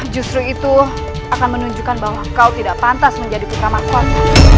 justru itu akan menunjukkan bahwa kau tidak pantas menjadi putra mahkota